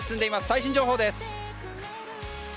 最新情報です。